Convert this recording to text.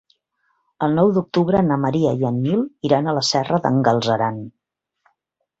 El nou d'octubre na Maria i en Nil iran a la Serra d'en Galceran.